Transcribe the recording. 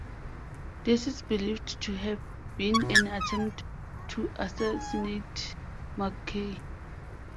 This is believed to have been an attempt to assassinate Mackay.